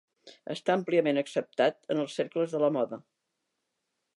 Està àmpliament acceptat en els cercles de la moda.